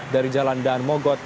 dari jalan daan mogot